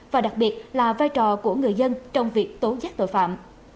và đặc biệt là vai trò của người dân trong việc tố giác tội phạm